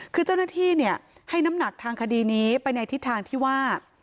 คือเจ้าหน้าที่ให้น้ำหนักทางคดีนี้ไปในทิศทางที่ว่า